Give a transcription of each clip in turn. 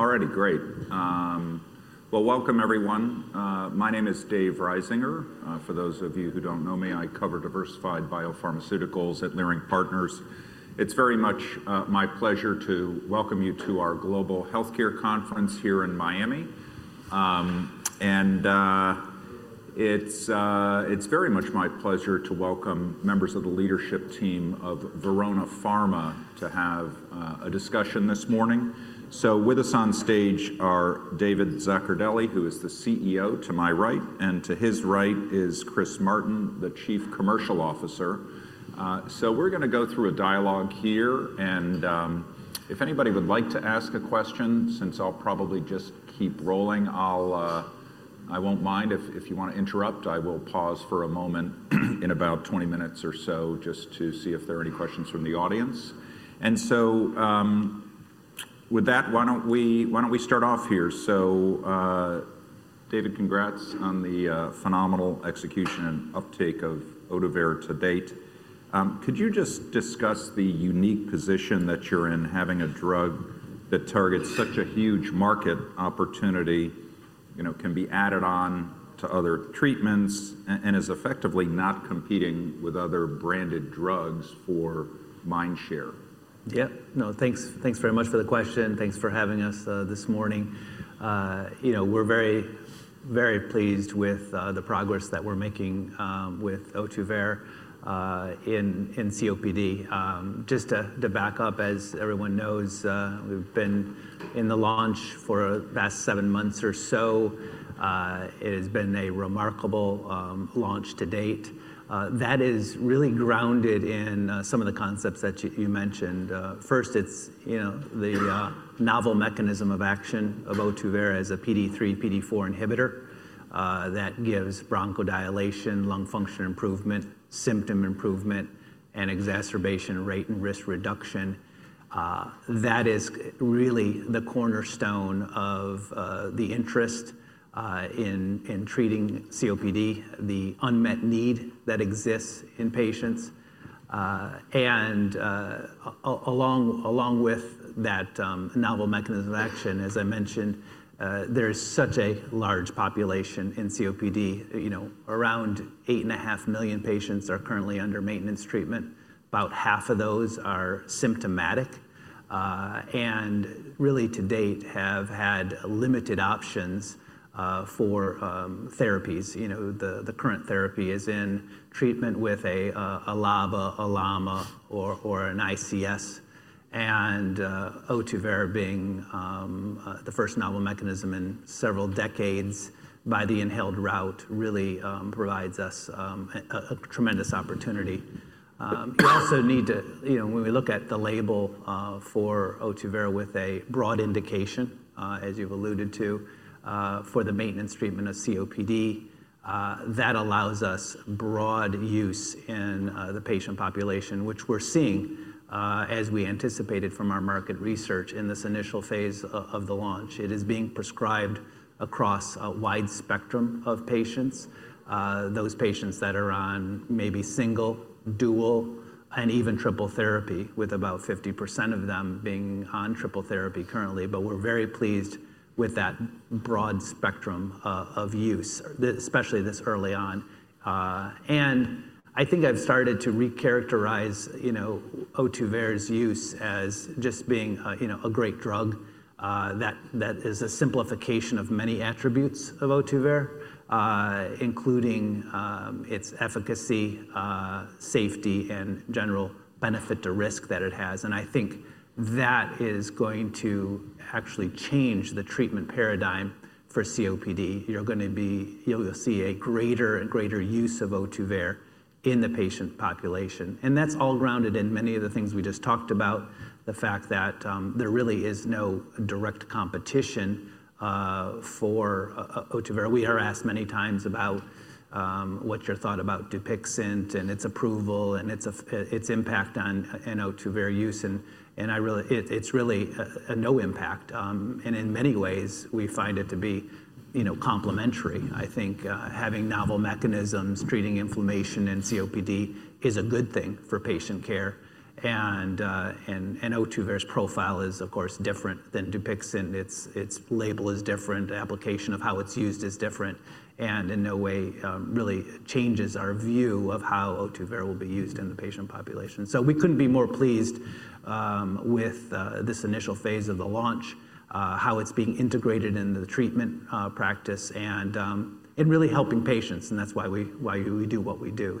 Alrighty, great. Welcome, everyone. My name is Dave Risinger. For those of you who do not know me, I cover diversified biopharmaceuticals at Leerink Partners. It is very much my pleasure to welcome you to our Global Healthcare Conference here in Miami. It is very much my pleasure to welcome members of the leadership team of Verona Pharma to have a discussion this morning. With us on stage are David Zaccardelli, who is the CEO, to my right. To his right is Chris Martin, the Chief Commercial Officer. We are going to go through a dialogue here. If anybody would like to ask a question, since I will probably just keep rolling, I will not mind. If you want to interrupt, I will pause for a moment in about 20 minutes or so just to see if there are any questions from the audience. With that, why don't we start off here? David, congrats on the phenomenal execution and uptake of Ohtuvayre to date. Could you just discuss the unique position that you're in, having a drug that targets such a huge market opportunity, can be added on to other treatments, and is effectively not competing with other branded drugs for mind share? Yeah, no, thanks very much for the question. Thanks for having us this morning. We're very, very pleased with the progress that we're making with Ohtuvayre in COPD. Just to back up, as everyone knows, we've been in the launch for the past seven months or so. It has been a remarkable launch to date. That is really grounded in some of the concepts that you mentioned. First, it's the novel mechanism of action of Ohtuvayre as a PDE3, PDE4 inhibitor that gives bronchodilation, lung function improvement, symptom improvement, and exacerbation rate and risk reduction. That is really the cornerstone of the interest in treating COPD, the unmet need that exists in patients. Along with that novel mechanism of action, as I mentioned, there is such a large population in COPD. Around 8.5 million patients are currently under maintenance treatment. About half of those are symptomatic and really, to date, have had limited options for therapies. The current therapy is in treatment with a LABA, a LAMA, or an ICS. Ohtuvayre, being the first novel mechanism in several decades by the inhaled route, really provides us a tremendous opportunity. We also need to, when we look at the label for Ohtuvayre with a broad indication, as you've alluded to, for the maintenance treatment of COPD, that allows us broad use in the patient population, which we're seeing, as we anticipated from our market research in this initial phase of the launch. It is being prescribed across a wide spectrum of patients, those patients that are on maybe single, dual, and even triple therapy, with about 50% of them being on triple therapy currently. We're very pleased with that broad spectrum of use, especially this early on. I think I've started to re-characterize Ohtuvayre's use as just being a great drug that is a simplification of many attributes of Ohtuvayre, including its efficacy, safety, and general benefit to risk that it has. I think that is going to actually change the treatment paradigm for COPD. You're going to see a greater and greater use of Ohtuvayre in the patient population. That's all grounded in many of the things we just talked about, the fact that there really is no direct competition for Ohtuvayre. We are asked many times about what your thought about Dupixent and its approval and its impact on Ohtuvayre use. It's really a no impact. In many ways, we find it to be complementary. I think having novel mechanisms treating inflammation in COPD is a good thing for patient care. Ohtuvayre's profile is, of course, different than Dupixent. Its label is different. The application of how it's used is different and in no way really changes our view of how Ohtuvayre will be used in the patient population. We could not be more pleased with this initial phase of the launch, how it's being integrated in the treatment practice, and really helping patients. That is why we do what we do.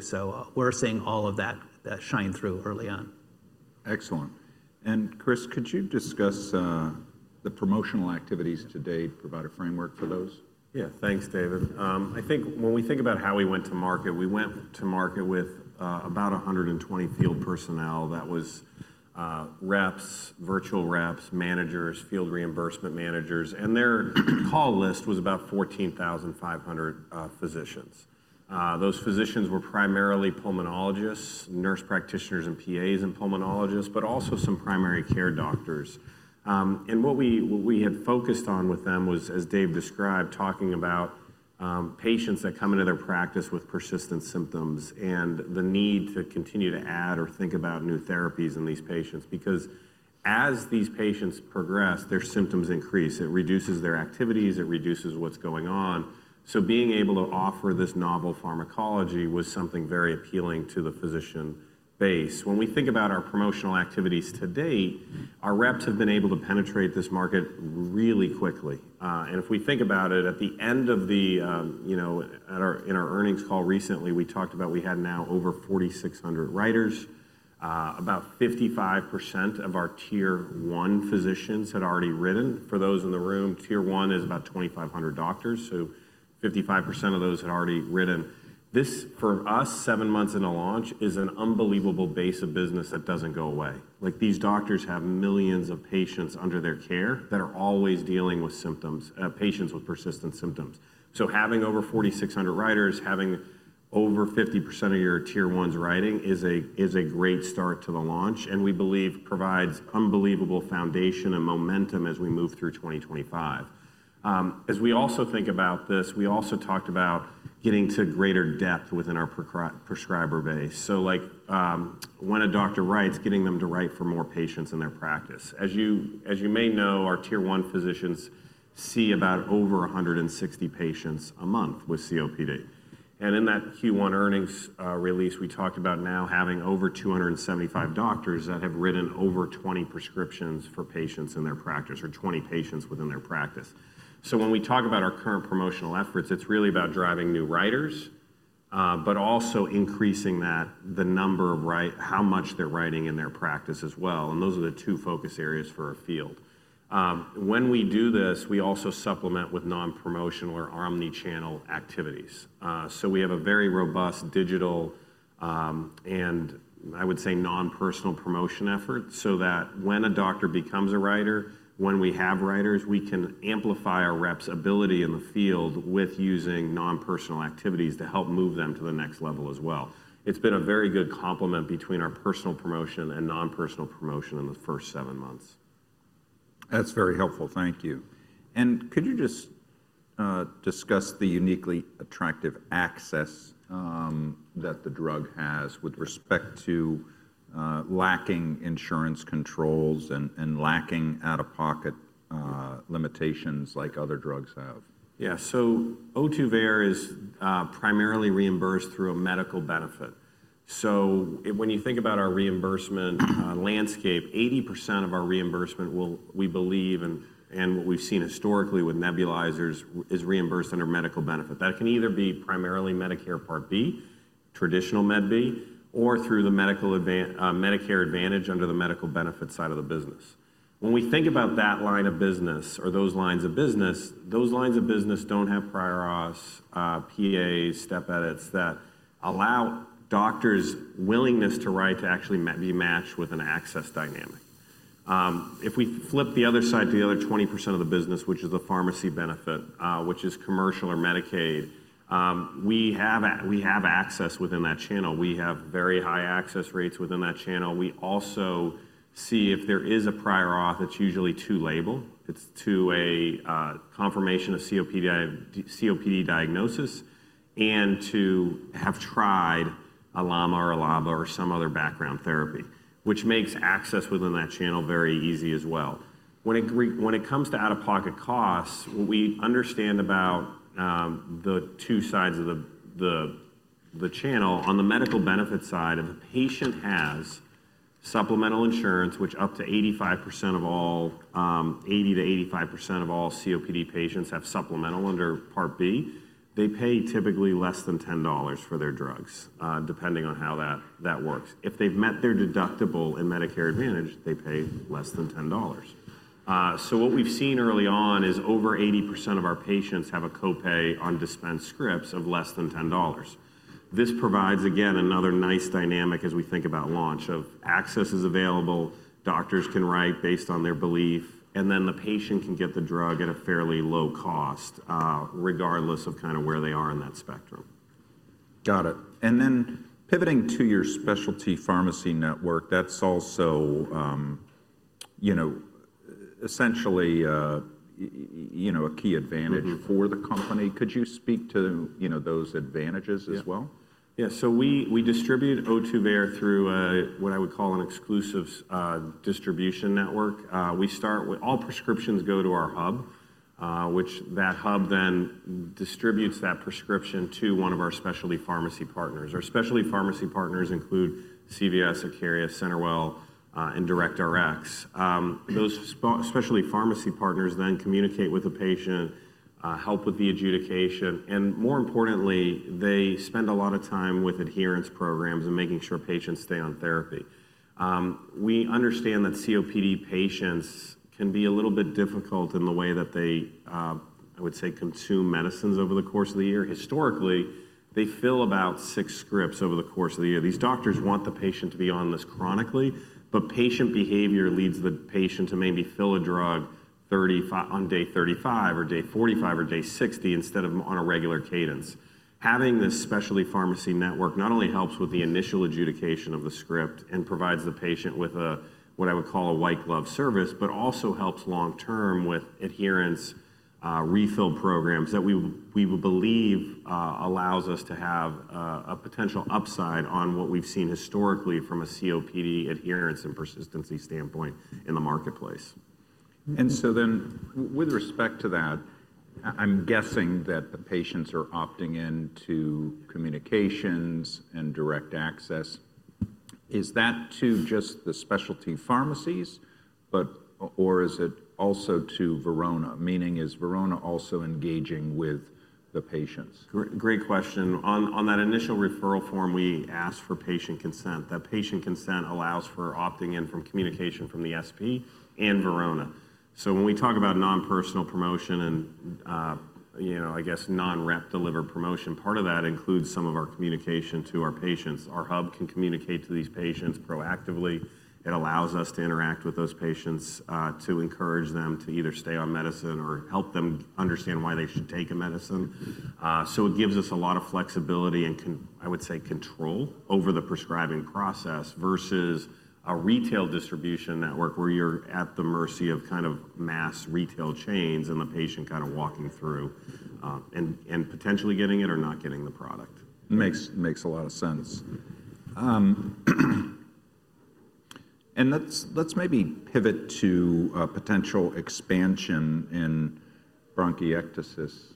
We are seeing all of that shine through early on. Excellent. Chris, could you discuss the promotional activities to date, provide a framework for those? Yeah, thanks, David. I think when we think about how we went to market, we went to market with about 120 field personnel. That was reps, virtual reps, managers, field reimbursement managers. Their call list was about 14,500 physicians. Those physicians were primarily pulmonologists, nurse practitioners, and PAs and pulmonologists, but also some primary care doctors. What we had focused on with them was, as Dave described, talking about patients that come into their practice with persistent symptoms and the need to continue to add or think about new therapies in these patients. Because as these patients progress, their symptoms increase. It reduces their activities. It reduces what's going on. Being able to offer this novel pharmacology was something very appealing to the physician base. When we think about our promotional activities to date, our reps have been able to penetrate this market really quickly. If we think about it, at the end of the, in our earnings call recently, we talked about we had now over 4,600 writers. About 55% of our Tier 1 physicians had already written. For those in the room, Tier 1 is about 2,500 doctors. So 55% of those had already written. This, for us, seven months into launch, is an unbelievable base of business that does not go away. These doctors have millions of patients under their care that are always dealing with symptoms, patients with persistent symptoms. Having over 4,600 writers, having over 50% of your tier 1's writing is a great start to the launch, and we believe provides unbelievable foundation and momentum as we move through 2025. As we also think about this, we also talked about getting to greater depth within our prescriber base. When a doctor writes, getting them to write for more patients in their practice. As you may know, our Tier 1 physicians see about over 160 patients a month with COPD. In that Q1 earnings release, we talked about now having over 275 doctors that have written over 20 prescriptions for patients in their practice or 20 patients within their practice. When we talk about our current promotional efforts, it is really about driving new writers, but also increasing the number of how much they are writing in their practice as well. Those are the two focus areas for our field. When we do this, we also supplement with non-promotional or omnichannel activities. We have a very robust digital and, I would say, non-personal promotion effort so that when a doctor becomes a writer, when we have writers, we can amplify our reps' ability in the field with using non-personal activities to help move them to the next level as well. It's been a very good complement between our personal promotion and non-personal promotion in the first seven months. That's very helpful. Thank you. Could you just discuss the uniquely attractive access that the drug has with respect to lacking insurance controls and lacking out-of-pocket limitations like other drugs have? Yeah, so Ohtuvayre is primarily reimbursed through a medical benefit. When you think about our reimbursement landscape, 80% of our reimbursement, we believe, and what we've seen historically with nebulizers, is reimbursed under medical benefit. That can either be primarily Medicare Part B, traditional Med B, or through the Medicare Advantage under the medical benefit side of the business. When we think about that line of business or those lines of business, those lines of business do not have prior auths, PAs, step edits that allow doctors' willingness to write to actually be matched with an access dynamic. If we flip to the other side, to the other 20% of the business, which is the pharmacy benefit, which is commercial or Medicaid, we have access within that channel. We have very high access rates within that channel. We also see if there is a prior auth, it is usually to label. It's to a confirmation of COPD diagnosis and to have tried a LAMA or a LABA or some other background therapy, which makes access within that channel very easy as well. When it comes to out-of-pocket costs, what we understand about the two sides of the channel on the medical benefit side is a patient has supplemental insurance, which up to 85% of all, 80%-85% of all COPD patients have supplemental under Part B. They pay typically less than $10 for their drugs, depending on how that works. If they've met their deductible in Medicare Advantage, they pay less than $10. What we've seen early on is over 80% of our patients have a copay on dispensed scripts of less than $10. This provides, again, another nice dynamic as we think about launch of access is available, doctors can write based on their belief, and then the patient can get the drug at a fairly low cost, regardless of kind of where they are in that spectrum. Got it. Pivoting to your specialty pharmacy network, that's also essentially a key advantage for the company. Could you speak to those advantages as well? Yeah, so we distribute Ohtuvayre through what I would call an exclusive distribution network. All prescriptions go to our hub, which that hub then distributes that prescription to one of our specialty pharmacy partners. Our specialty pharmacy partners include CVS, Acaria, CenterWell, and DirectRx. Those specialty pharmacy partners then communicate with the patient, help with the adjudication, and more importantly, they spend a lot of time with adherence programs and making sure patients stay on therapy. We understand that COPD patients can be a little bit difficult in the way that they, I would say, consume medicines over the course of the year. Historically, they fill about six scripts over the course of the year. These doctors want the patient to be on this chronically, but patient behavior leads the patient to maybe fill a drug on day 35 or day 45 or day 60 instead of on a regular cadence. Having this specialty pharmacy network not only helps with the initial adjudication of the script and provides the patient with what I would call a white glove service, but also helps long term with adherence refill programs that we believe allows us to have a potential upside on what we've seen historically from a COPD adherence and persistency standpoint in the marketplace. With respect to that, I'm guessing that the patients are opting into communications and direct access. Is that to just the specialty pharmacies, or is it also to Verona? Meaning, is Verona also engaging with the patients? Great question. On that initial referral form, we asked for patient consent. That patient consent allows for opting in from communication from the SP and Verona. When we talk about non-personal promotion and, I guess, non-rep delivered promotion, part of that includes some of our communication to our patients. Our hub can communicate to these patients proactively. It allows us to interact with those patients to encourage them to either stay on medicine or help them understand why they should take a medicine. It gives us a lot of flexibility and, I would say, control over the prescribing process versus a retail distribution network where you're at the mercy of kind of mass retail chains and the patient kind of walking through and potentially getting it or not getting the product. Makes a lot of sense. Let's maybe pivot to potential expansion in bronchiectasis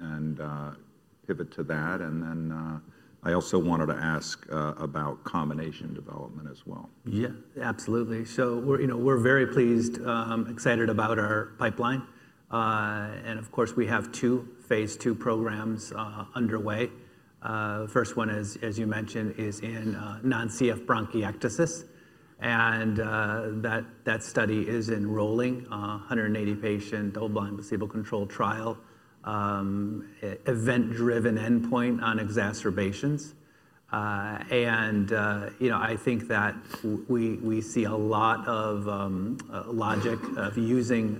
and pivot to that. I also wanted to ask about combination development as well. Yeah, absolutely. We are very pleased, excited about our pipeline. Of course, we have two phase II programs underway. The first one, as you mentioned, is in non-CF bronchiectasis. That study is enrolling 180 patient double-blind placebo-controlled trial, event-driven endpoint on exacerbations. I think that we see a lot of logic of using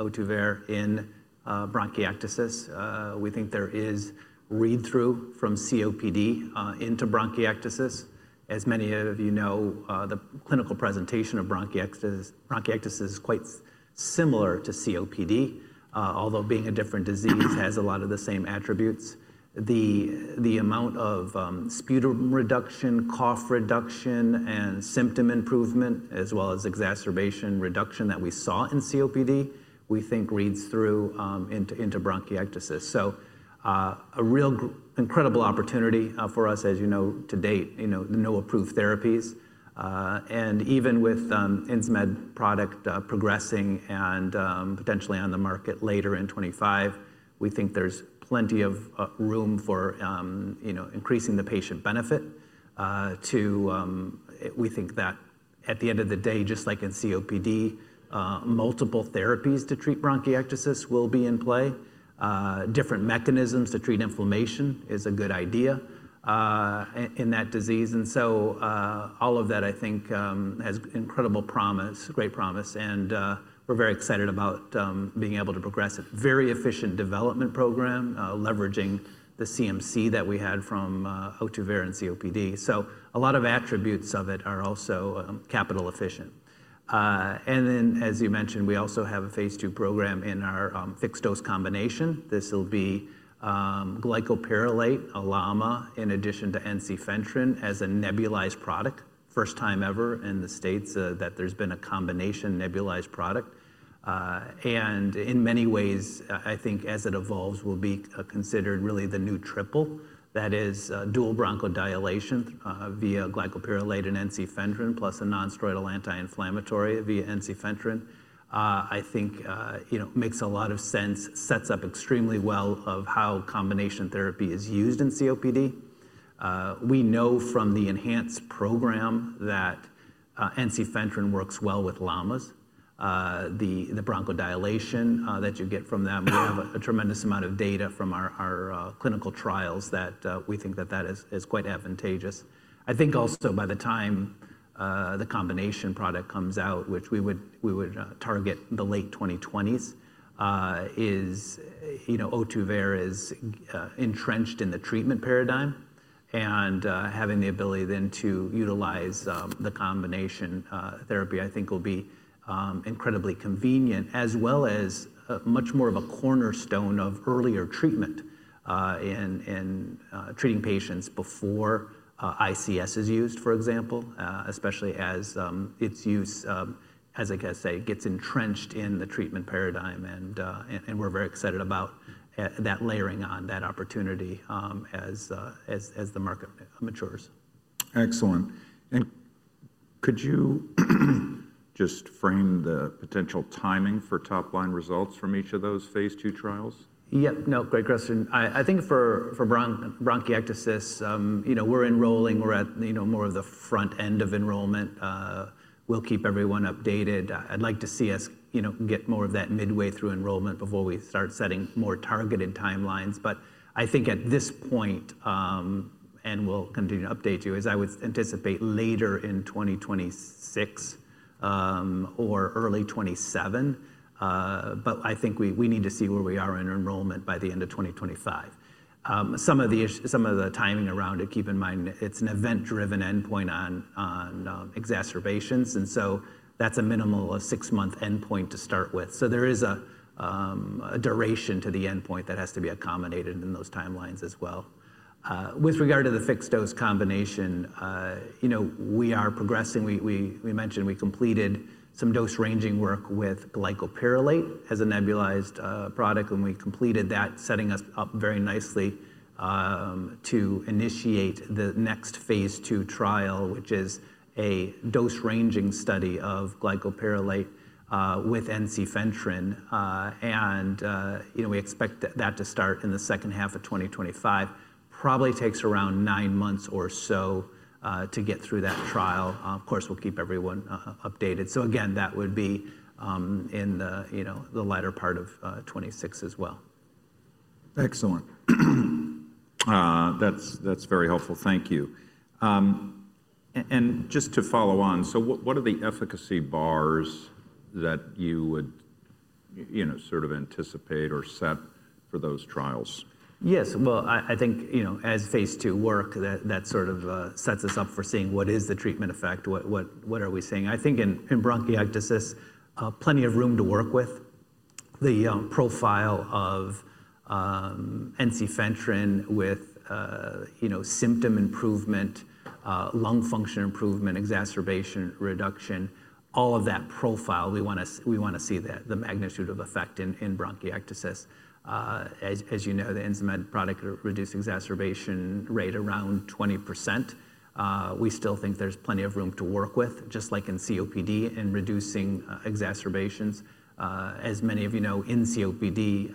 Ohtuvayre in bronchiectasis. We think there is read-through from COPD into bronchiectasis. As many of you know, the clinical presentation of bronchiectasis is quite similar to COPD, although being a different disease has a lot of the same attributes. The amount of sputum reduction, cough reduction, and symptom improvement, as well as exacerbation reduction that we saw in COPD, we think reads through into bronchiectasis. A real incredible opportunity for us, as you know, to date, no approved therapies. Even with Insmed product progressing and potentially on the market later in 2025, we think there's plenty of room for increasing the patient benefit. We think that at the end of the day, just like in COPD, multiple therapies to treat bronchiectasis will be in play. Different mechanisms to treat inflammation is a good idea in that disease. All of that, I think, has incredible promise, great promise. We are very excited about being able to progress it. Very efficient development program, leveraging the CMC that we had from Ohtuvayre and COPD. A lot of attributes of it are also capital efficient. As you mentioned, we also have a phase II program in our fixed dose combination. This will be glycopyrrolate, a LAMA, in addition to ensifentrine as a nebulized product. First time ever in the States that there's been a combination nebulized product. In many ways, I think as it evolves, will be considered really the new triple. That is dual bronchodilation via glycopyrrolate and ensifentrine, plus a non-steroidal anti-inflammatory via ensifentrine. I think makes a lot of sense, sets up extremely well of how combination therapy is used in COPD. We know from the ENHANCE program that ensifentrine works well with LAMAs. The bronchodilation that you get from them, we have a tremendous amount of data from our clinical trials that we think that that is quite advantageous. I think also by the time the combination product comes out, which we would target the late 2020s, Ohtuvayre is entrenched in the treatment paradigm. Having the ability then to utilize the combination therapy, I think will be incredibly convenient, as well as much more of a cornerstone of earlier treatment in treating patients before ICS is used, for example, especially as its use, as I guess, gets entrenched in the treatment paradigm. We are very excited about that layering on that opportunity as the market matures. Excellent. Could you just frame the potential timing for top-line results from each of those phase II trials? Yep. No, great question. I think for bronchiectasis, we're enrolling, we're at more of the front end of enrollment. We'll keep everyone updated. I'd like to see us get more of that midway through enrollment before we start setting more targeted timelines. I think at this point, and we'll continue to update you, as I would anticipate later in 2026 or early 2027, but I think we need to see where we are in enrollment by the end of 2025. Some of the timing around it, keep in mind, it's an event-driven endpoint on exacerbations. That is a minimal six-month endpoint to start with. There is a duration to the endpoint that has to be accommodated in those timelines as well. With regard to the fixed dose combination, we are progressing. We mentioned we completed some dose ranging work with glycopyrrolate as a nebulized product. We completed that, setting us up very nicely to initiate the next phase II trial, which is a dose ranging study of glycopyrrolate with ensifentrine. We expect that to start in the second half of 2025. Probably takes around nine months or so to get through that trial. Of course, we'll keep everyone updated. That would be in the latter part of 2026 as well. Excellent. That's very helpful. Thank you. Just to follow on, what are the efficacy bars that you would sort of anticipate or set for those trials? Yes. I think as phase II work, that sort of sets us up for seeing what is the treatment effect, what are we seeing. I think in bronchiectasis, plenty of room to work with. The profile of ensifentrine with symptom improvement, lung function improvement, exacerbation reduction, all of that profile, we want to see the magnitude of effect in bronchiectasis. As you know, the Insmed product reduced exacerbation rate around 20%. We still think there's plenty of room to work with, just like in COPD in reducing exacerbations. As many of you know, in COPD,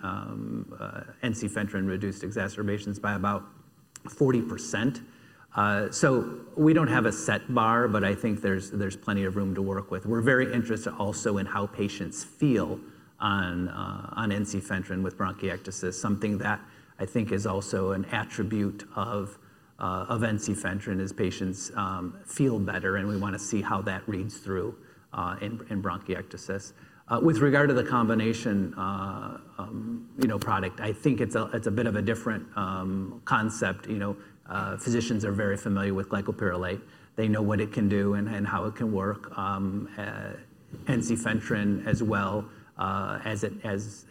ensifentrine reduced exacerbations by about 40%. We do not have a set bar, but I think there's plenty of room to work with. We're very interested also in how patients feel on ensifentrine with bronchiectasis, something that I think is also an attribute of ensifentrine is patients feel better. We want to see how that reads through in bronchiectasis. With regard to the combination product, I think it's a bit of a different concept. Physicians are very familiar with glycopyrrolate. They know what it can do and how it can work. Ensifentrine as well, as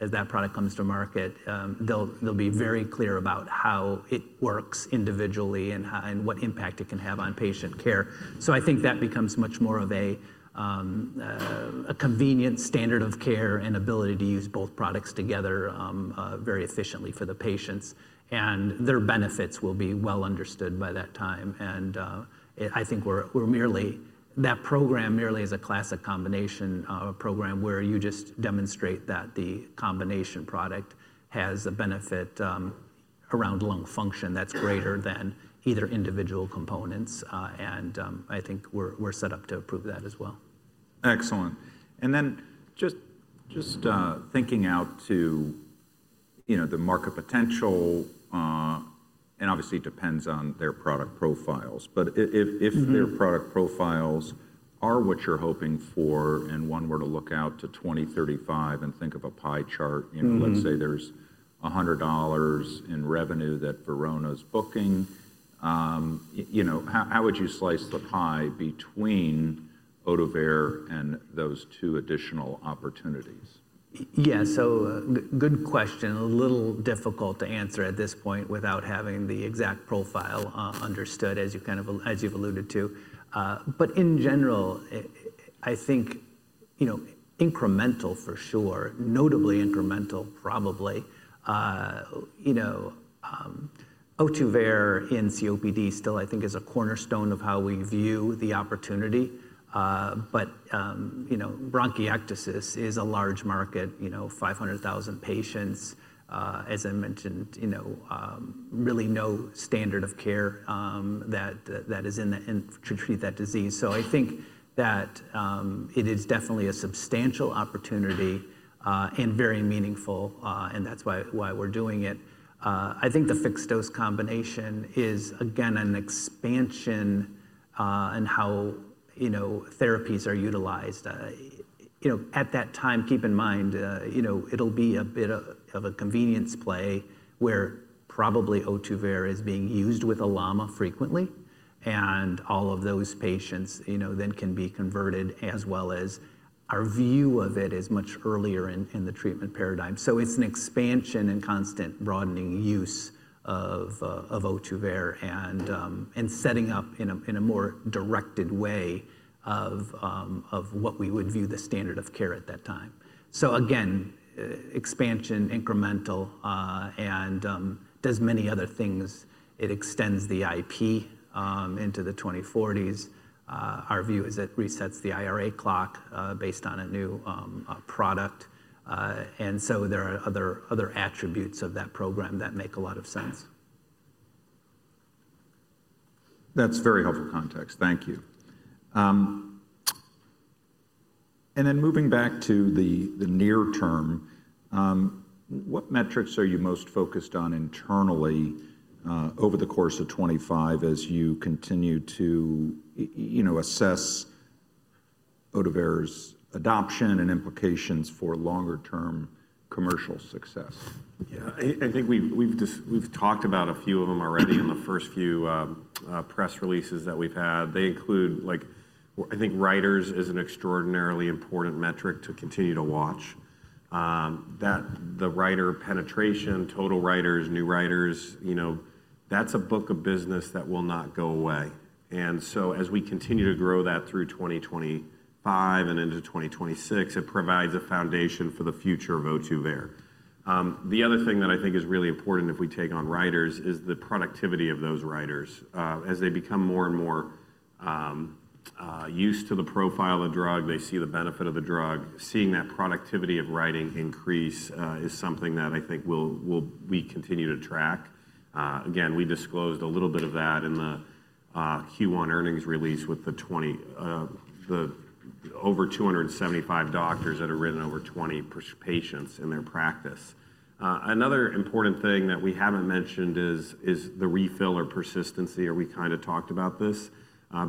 that product comes to market, they'll be very clear about how it works individually and what impact it can have on patient care. I think that becomes much more of a convenient standard of care and ability to use both products together very efficiently for the patients. Their benefits will be well understood by that time. I think that program merely is a classic combination program where you just demonstrate that the combination product has a benefit around lung function that's greater than either individual component. I think we're set up to prove that as well. Excellent. Just thinking out to the market potential, and obviously it depends on their product profiles. If their product profiles are what you're hoping for and one were to look out to 2035 and think of a pie chart, let's say there's $100 in revenue that Verona's booking, how would you slice the pie between Ohtuvayre and those two additional opportunities? Yeah, good question. A little difficult to answer at this point without having the exact profile understood, as you've alluded to. In general, I think incremental for sure, notably incremental, probably. Ohtuvayre in COPD still, I think, is a cornerstone of how we view the opportunity. Bronchiectasis is a large market, 500,000 patients, as I mentioned, really no standard of care that is in to treat that disease. I think that it is definitely a substantial opportunity and very meaningful. That is why we're doing it. I think the fixed dose combination is, again, an expansion in how therapies are utilized. At that time, keep in mind, it'll be a bit of a convenience play where probably Ohtuvayre is being used with a LAMA frequently. All of those patients then can be converted, as well as our view of it is much earlier in the treatment paradigm. It is an expansion and constant broadening use of Ohtuvayre and setting up in a more directed way of what we would view the standard of care at that time. Again, expansion, incremental, and does many other things. It extends the IP into the 2040s. Our view is it resets the IRA clock based on a new product. There are other attributes of that program that make a lot of sense. That's very helpful context. Thank you. Then moving back to the near term, what metrics are you most focused on internally over the course of 2025 as you continue to assess Ohtuvayre's adoption and implications for longer-term commercial success? Yeah, I think we've talked about a few of them already in the first few press releases that we've had. They include, I think, writers is an extraordinarily important metric to continue to watch. The writer penetration, total writers, new writers, that's a book of business that will not go away. As we continue to grow that through 2025 and into 2026, it provides a foundation for the future of Ohtuvayre. The other thing that I think is really important if we take on writers is the productivity of those writers. As they become more and more used to the profile of the drug, they see the benefit of the drug. Seeing that productivity of writing increase is something that I think we continue to track. Again, we disclosed a little bit of that in the Q1 earnings release with the over 275 doctors that have written over 20 patients in their practice. Another important thing that we haven't mentioned is the refill or persistency. We kind of talked about this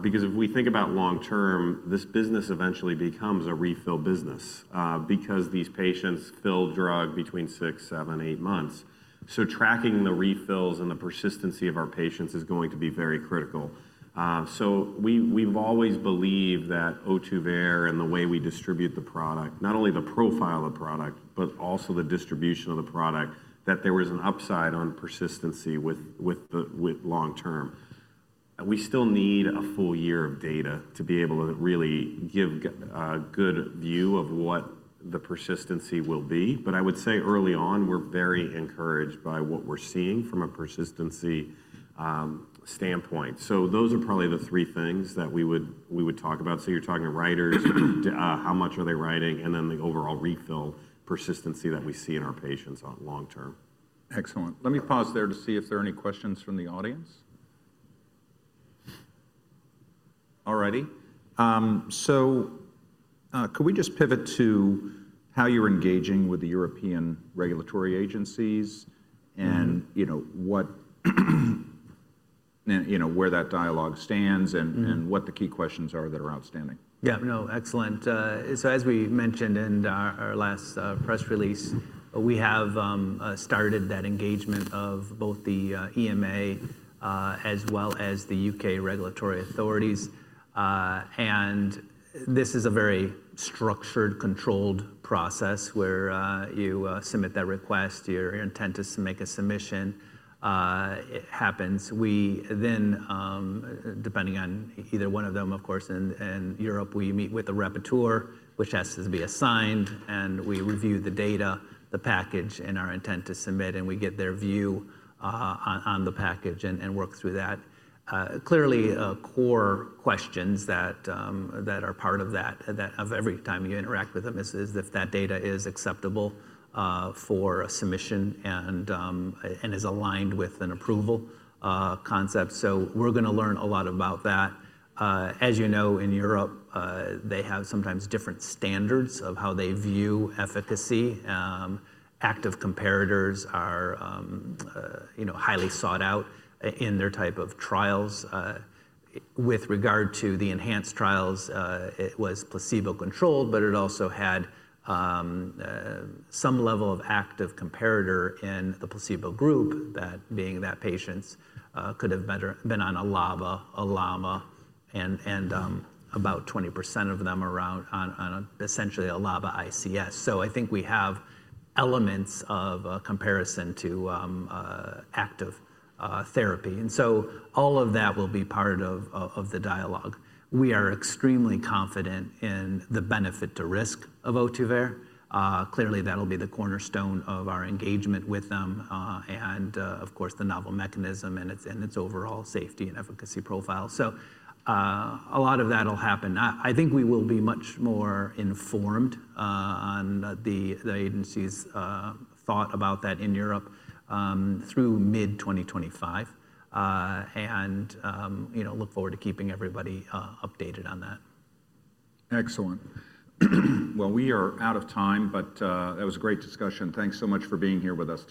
because if we think about long term, this business eventually becomes a refill business because these patients fill drug between six, seven, eight months. Tracking the refills and the persistency of our patients is going to be very critical. We have always believed that Ohtuvayre and the way we distribute the product, not only the profile of the product, but also the distribution of the product, that there was an upside on persistency with long term. We still need a full year of data to be able to really give a good view of what the persistency will be. I would say early on, we're very encouraged by what we're seeing from a persistency standpoint. Those are probably the three things that we would talk about. You're talking to writers, how much are they writing, and then the overall refill persistency that we see in our patients on long term. Excellent. Let me pause there to see if there are any questions from the audience. All righty. Could we just pivot to how you're engaging with the European regulatory agencies and where that dialogue stands and what the key questions are that are outstanding? Yeah, no, excellent. As we mentioned in our last press release, we have started that engagement of both the EMA as well as the U.K. regulatory authorities. This is a very structured, controlled process where you submit that request, your intent is to make a submission, it happens. We then, depending on either one of them, of course, in Europe, we meet with the rapporteur, which has to be assigned. We review the data, the package, and our intent to submit. We get their view on the package and work through that. Clearly, core questions that are part of that, of every time you interact with them, is if that data is acceptable for a submission and is aligned with an approval concept. We are going to learn a lot about that. As you know, in Europe, they have sometimes different standards of how they view efficacy. Active comparators are highly sought out in their type of trials. With regard to the enhanced trials, it was placebo controlled, but it also had some level of active comparator in the placebo group, that being that patients could have been on a LAMA and about 20% of them were on essentially a LAMA ICS. I think we have elements of comparison to active therapy. All of that will be part of the dialogue. We are extremely confident in the benefit to risk of Ohtuvayre. Clearly, that'll be the cornerstone of our engagement with them and, of course, the novel mechanism and its overall safety and efficacy profile. A lot of that'll happen. I think we will be much more informed on the agency's thought about that in Europe through mid-2025. I look forward to keeping everybody updated on that. Excellent. We are out of time, but that was a great discussion. Thanks so much for being here with us.